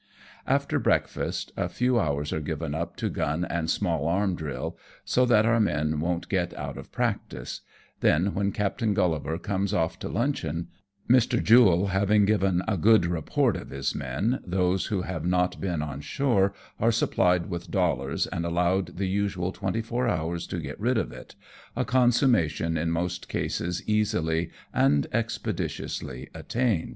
After breakfast a few hours are given up to gun and small arm drill, so that our men won't get out of practice ; then, when Captain GuUivar comes off to luncheon, Mr. Jule having given a good report of his men, those who have not been on shore are supplied with dollars, and allowed the usual twenty four hours to get rid of it, a consummation in most cases easily and expeditiously attained.